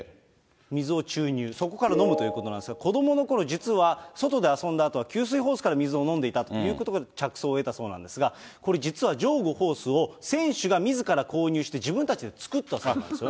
水を注入、そこから飲むということなんですが、子どものころ、実は外で遊んだあとは給水ホースから水を飲んでいたということで、着想を得たそうなんですが、これ、実はじょうご、ホースを選手がみずから購入して、自分たちで作ったそうなんですね。